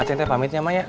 acing teh pamitnya mak ya